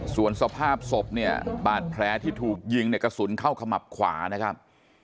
ส่วนสภาพศพเนี่ยบาดแผลที่ถูกยิงเนี่ยกระสุนเข้าขมับขวานะครับ